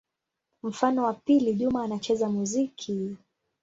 Mfano wa pili: Juma anacheza muziki.